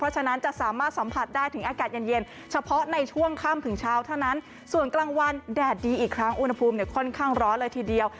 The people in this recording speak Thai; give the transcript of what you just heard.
ฉะนั้นจะสามารถสัมผัสได้ถึงอากาศเย็นเย็นเฉพาะในช่วงค่ำถึงเช้าเท่านั้นส่วนกลางวันแดดดีอีกครั้งอุณหภูมิเนี่ยค่อนข้างร้อนเลยทีเดียว